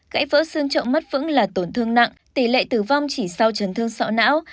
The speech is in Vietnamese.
cãi vỡ xương trậu mắt vững là tổn thương nặng tỷ lệ tử vong chỉ sau chấn thương sọ não